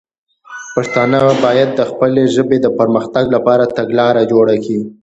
پښتانه باید د خپلې ژبې د پر مختګ لپاره تګلاره جوړه کړي.